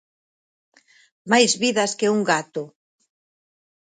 Máis vidas que un gato.